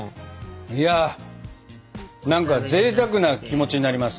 いや何かぜいたくな気持ちになります。